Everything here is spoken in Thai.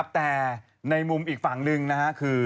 แต่ในมุมอีกฝั่งหนึ่งนะฮะคือ